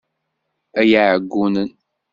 Ay iɛeggunen!